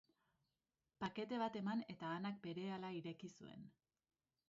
Pakete bat eman, eta Annak berehala ireki zuen.